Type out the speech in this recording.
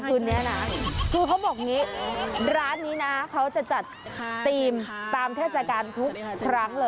คือพอบอกอย่างงี้ร้านนี้นะเขาจะจัดตีมตามเทศกาลทุกครั้ง